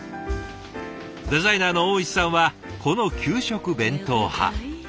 デザイナーの大石さんはこの給食弁当派。